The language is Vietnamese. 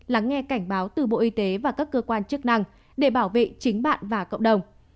lắng nghe cảnh báo từ bộ y tế và các cơ quan chức năng để bảo vệ chính bạn và cộng đồng